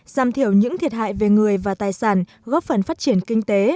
giảm thiểu những thiệt hại về người và tài sản góp phần phát triển kinh tế